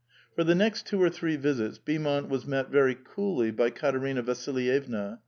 For the next two or three visits Beaumont was met very coolly by Eatcrina Vasilyevna.